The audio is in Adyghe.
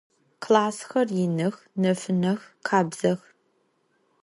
Klassxer yinıx, nefınex, khabzex.